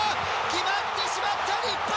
決まってしまった日本。